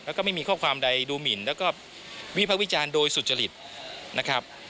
แล้วก็ไม่มีข้อความใดดูหมินแล้วก็วิพากษ์วิจารณ์โดยสุจริตนะครับ